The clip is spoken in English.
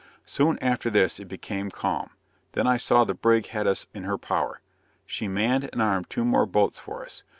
Soon after this, it became calm: then I saw that the brig had us in her power. She manned and armed two more boats for us.